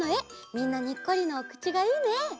みんなにっこりのおくちがいいね。